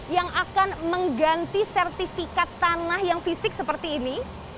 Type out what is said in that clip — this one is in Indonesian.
yang akan mengganti sertifikat tanah yang fisik seperti ini